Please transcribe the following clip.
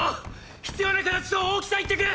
必要なカタチと大きさ言ってくれ！